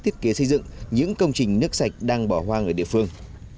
thiết kế xây dựng những công trình nước sạch đang bỏ hoang ở địa phương